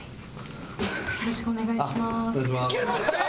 よろしくお願いします。